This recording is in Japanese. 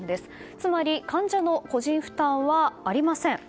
つまり患者の個人負担はありません。